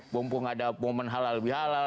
mumpung ada momen halal bihalal